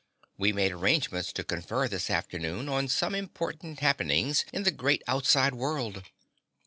We made arrangements to confer this afternoon on some important happenings in the great outside world.